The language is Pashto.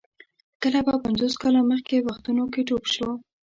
کله به پنځوس کاله مخکې وختونو کې ډوب شو.